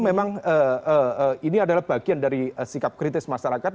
memang ini adalah bagian dari sikap kritis masyarakat